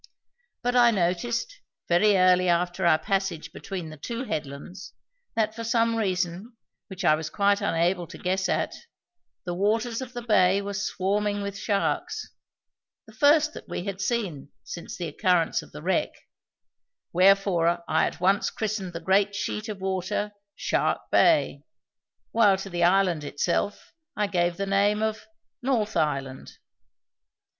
But I noticed, very early after our passage between the two headlands, that, for some reason which I was quite unable to guess at, the waters of the bay were swarming with sharks the first that we had seen since the occurrence of the wreck wherefore I at once christened the great sheet of water "Shark Bay", while to the island itself I gave the name of "North Island."